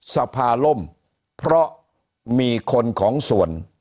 สภาล่มเพราะมีคนของส่วน